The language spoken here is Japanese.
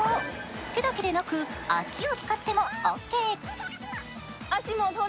手だけでなく足を使ってもオーケー。